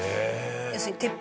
「要するに鉄砲」